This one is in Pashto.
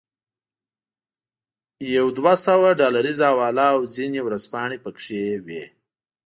یوه دوه سوه ډالریزه حواله او ځینې ورځپاڼې پکې وې.